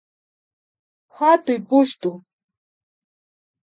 Hatuy pushtu